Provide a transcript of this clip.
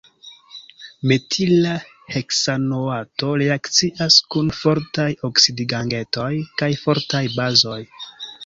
Metila heksanoato reakcias kun fortaj oksidigagentoj kaj fortaj bazoj.